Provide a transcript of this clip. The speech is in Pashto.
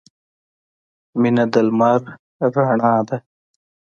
• مینه د لمر رڼا ده.